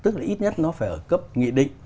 tức là ít nhất nó phải ở cấp nghị định